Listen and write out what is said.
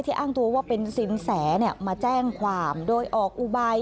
อ้างตัวว่าเป็นสินแสมาแจ้งความโดยออกอุบาย